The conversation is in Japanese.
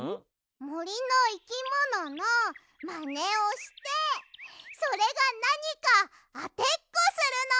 もりのいきもののマネをしてそれがなにかあてっこするの！